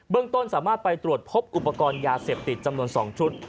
ต้นสามารถไปตรวจพบอุปกรณ์ยาเสพติดจำนวน๒ชุด